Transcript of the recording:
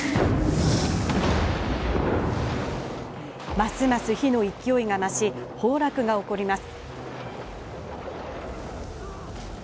ますます火の勢いが増し崩落が起こります。